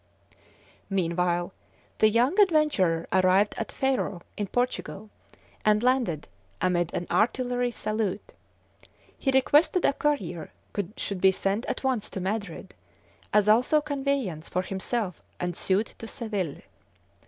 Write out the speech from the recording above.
Meanwhile, the young adventurer arrived at Faro, in Portugal, and landed amid an artillery salute. He requested a courier should be sent at once to Madrid, as also conveyance for himself and suite to Seville.